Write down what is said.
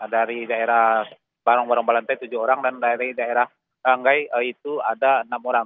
dari daerah barong barong balantai tujuh orang dan dari daerah anggai itu ada enam orang